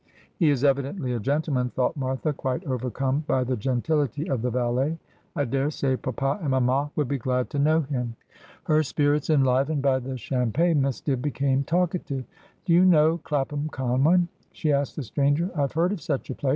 ' He is evidently a gentleman,' thought Martha, quite over come by the gentility of the valet. ' I daresay papa and mamma would be glad to know him.' 38 Asphodel. Her spirits enlivened by the champagne, Miss Dibb became talkative. ' Do you know Clapham Common ?' she asked the stranger. ' I have heard of such a place.